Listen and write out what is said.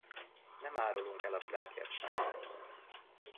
Nem árulunk el a világért sem!